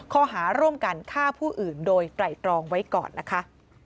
ข้อหาร่วมกันฆ่าผู้อื่นโดยไตรตรองไว้ก่อนนะคะ